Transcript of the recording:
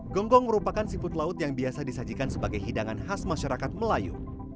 gonggong merupakan seafood laut yang biasa disajikan sebagai hidangan khas masyarakat melayu